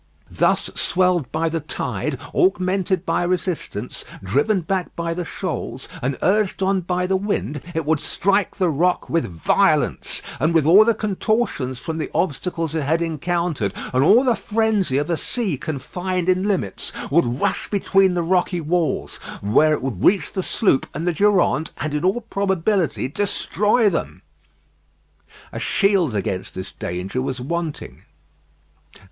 Thus swelled by the tide, augmented by resistance, driven back by the shoals, and urged on by the wind, it would strike the rock with violence, and with all the contortions from the obstacles it had encountered, and all the frenzy of a sea confined in limits, would rush between the rocky walls, where it would reach the sloop and the Durande, and, in all probability, destroy them. A shield against this danger was wanting.